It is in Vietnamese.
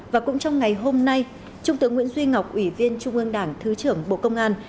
và cũng trong ngày hôm nay trung tướng nguyễn duy ngọc ủy viên trung ương đảng thứ trưởng bộ công an